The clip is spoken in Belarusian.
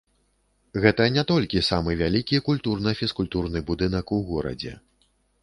Гэта не толькі самы вялікі культурна-фізкультурны будынак у горадзе.